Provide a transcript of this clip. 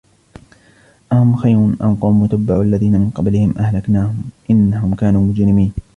أهم خير أم قوم تبع والذين من قبلهم أهلكناهم إنهم كانوا مجرمين